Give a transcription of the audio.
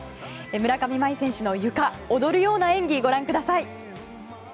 村上茉愛選手のゆか踊るような演技、ご覧ください。